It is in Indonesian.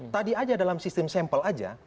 tadi aja dalam sistem sampel aja